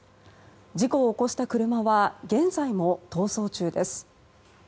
事故を起こした車は現在も逃走中です。